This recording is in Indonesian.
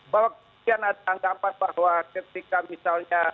bahwa kemudian ada anggapan bahwa ketika misalnya